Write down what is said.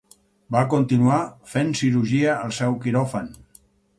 Va continuar fent cirurgia al seu quiròfan.